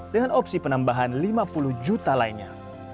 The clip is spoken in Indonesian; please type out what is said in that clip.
dengan opsi penambahan lima puluh juta lainnya